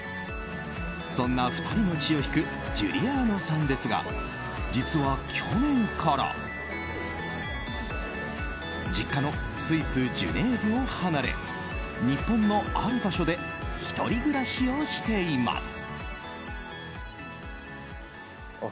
そんな２人の血を引くジュリアーノさんですが実は去年から実家のスイス・ジュネーブを離れ日本のある場所で１人暮らしをしています。